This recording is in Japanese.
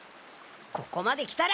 ここまで来たら！